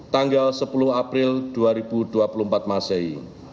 tanggal sepuluh april dua ribu dua puluh empat masehi